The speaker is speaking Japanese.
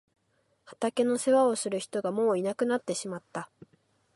畑の世話をする人がもういなくなってしまった。